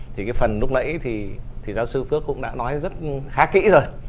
thì cái phần lúc nãy thì giáo sư phước cũng đã nói rất khá kỹ rồi